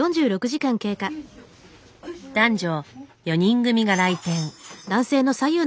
男女４人組が来店。